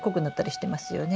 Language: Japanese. してますよね？